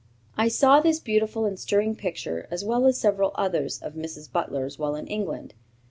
I saw this beautiful and stirring picture, as well as several others of Mrs. Butler's, while in England.